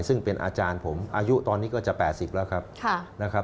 ซึ่งเป็นอาจารย์ผมอายุตอนนี้ก็จะ๘๐ละครับ